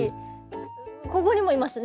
ここにもいますね。